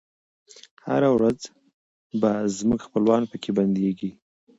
هره ورځ به زموږ خپلوان پکښي بندیږی